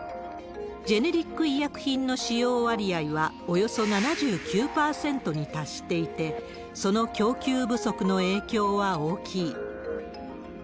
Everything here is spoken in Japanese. ジェネリック医薬品の使用割合は、およそ７９％に達していて、その供給不足の影響は大きい。